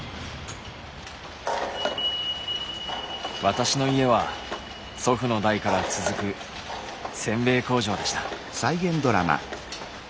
私の家は祖父の代から続くせんべい工場でした。